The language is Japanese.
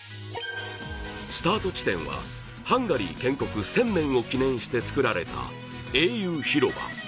スタート地点は、ハンガリー建国１０００年を記念して作られた英雄広場。